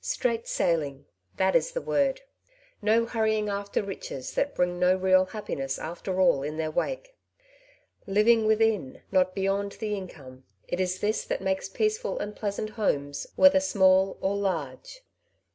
Straight sailing, that is the word. No hurrying after riches, that bring no real happiness after all in their wake. Living within, not beyond, the income— it is this that makes peaceful and pleasant homes, whether small or large.